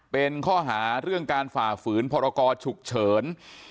เป็นข้อหาเรื่องการฝ่าฝืนพรกรฉุกเฉิน